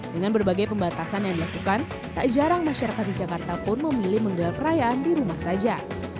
dengan berbagai pembatasan yang dilakukan tak jarang masyarakat di jakarta pun memilih menggelar perayaan di rumah saja